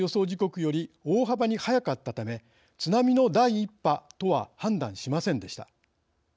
時刻より大幅に早かったため津波の第１波とは判断しませんでした。